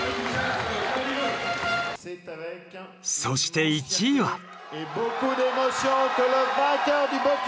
そして１位は。